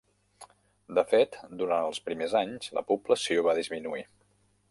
De fet, durant els primers anys, la població va disminuir.